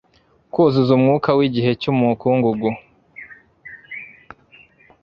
kuzuza umwuka wigihe cyumukungugu